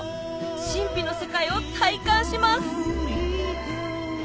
神秘の世界を体感します